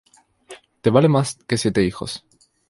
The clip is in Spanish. te vale más que siete hijos.